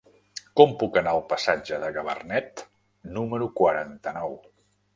Com puc anar al passatge de Gabarnet número quaranta-nou?